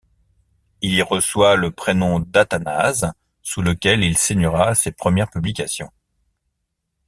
Il y reçoit le prénom d'Athanase, sous lequel il signera ses premières publications.